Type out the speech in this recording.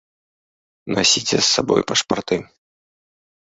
Насіце з сабою пашпарты!